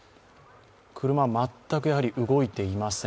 車、全く動いていません。